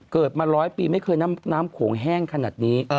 เกิดมาร้อยปีไม่เคยน้ำโขงแห้งขนาดนี้